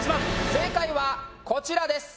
正解はこちらです。